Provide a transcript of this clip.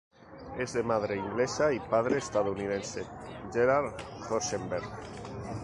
Es de madre inglesa y padre estadounidense, Gerard Rosenberg.